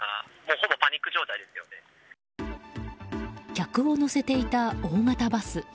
客を乗せていた大型バス。